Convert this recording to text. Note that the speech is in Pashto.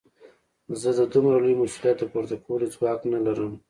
زه د دومره لوی مسوليت د پورته کولو ځواک نه لرم.